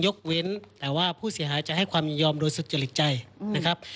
เว้นแต่ว่าผู้เสียหายจะให้ความยินยอมโดยสุจริตใจนะครับ